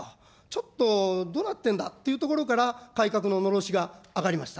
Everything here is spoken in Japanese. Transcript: ちょっと、どうなってんだというところから、改革ののろしが上がりました。